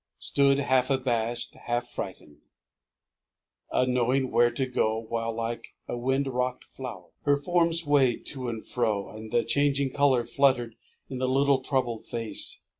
Stood half abashed, halffrightened. Unknowing where to go, While like a wind rocked flower. Her form swayed to and fro. And the changing color fluttered In the little troubled face.